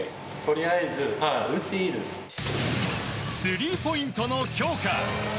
スリーポイントの強化。